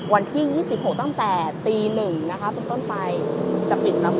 วันที่๒๖ตั้งแต่ตี๑ต้นไปจะปิดทุกวันนะคะ